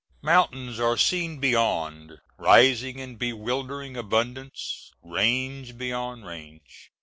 Mountains are seen beyond, rising in bewildering abundance, range beyond range.